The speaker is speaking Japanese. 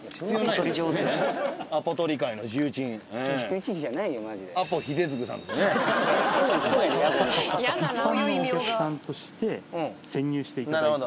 一般のお客さんとして潜入していただいて。